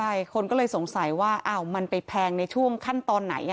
ใช่คนก็เลยสงสัยว่ามันไปแพงในช่วงขั้นตอนไหน